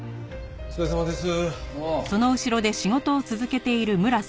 お疲れさまです。